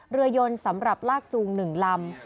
เรือยนสำหรับลากจูง๑ลำ